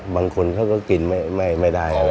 บางคนเขาก็กินไม่ได้